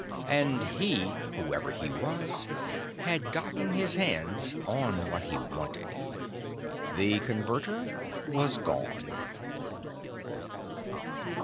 And he whoever he was had gotten his hands on what he wanted. The Converter was gone.